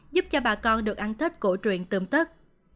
giúp cho bà con được ăn thết cổ truyền tương tất